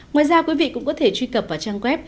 ngoài ra quý vị cũng có thể truy cập vào trang web